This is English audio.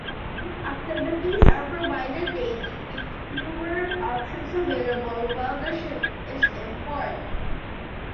Activities are provided daily, with fewer options available while the ship is in port.